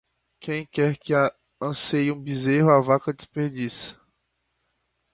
Quem quer que anseie um bezerro, a vaca desperdiça.